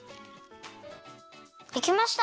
できました！